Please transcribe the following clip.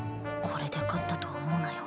これで勝ったと思うなよ